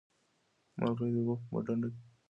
مرغۍ د اوبو په ډنډ کې د خپل حق ننداره وکړه.